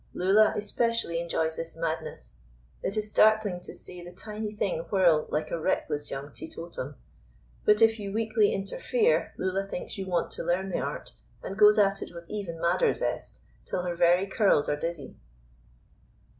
Lulla especially enjoys this madness. It is startling to see the tiny thing whirl like a reckless young teetotum. But if you weakly interfere, Lulla thinks you want to learn the art, and goes at it with even madder zest, till her very curls are dizzy.